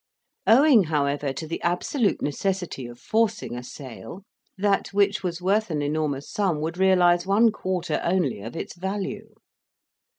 Owing, however, to the absolute necessity of forcing a sale, that which was worth an enormous sum would realize one quarter only of its value.